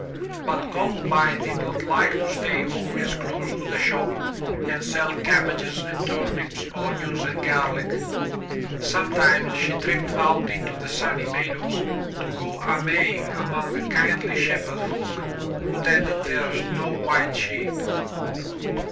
But Columbine did not like to stay always close to the shop and sell cabbages and turnips, onions and garlic. Sometimes she tripped out into the sunny meadows to go a maying among kindly shepherd folk who tended their snow white sheep.